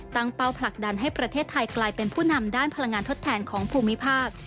เป้าผลักดันให้ประเทศไทยกลายเป็นผู้นำด้านพลังงานทดแทนของภูมิภาค